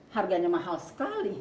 harganya mahal sekali